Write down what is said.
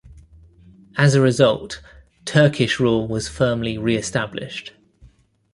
As a result, Turkish rule was firmly reestablished.